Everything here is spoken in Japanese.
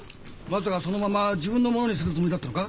まさかそのまま自分のものにするつもりだったのか？